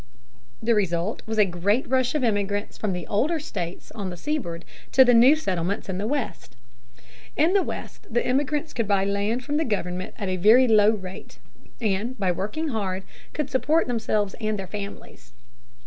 The result was a great rush of emigrants from the older states on the seaboard to the new settlements in the West. In the West the emigrants could buy land from the government at a very low rate, and by working hard could support themselves and their families.